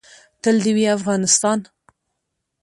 تل دې وي افغانستان؟